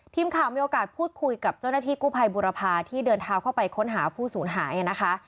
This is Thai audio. ทีมข่าวมีโอกาสพูดคุยกับเจ้าหน้าที่กู้ภัยบุรพาที่เดินเท้าเข้าไปค้นหาผู้สูญหายนะคะ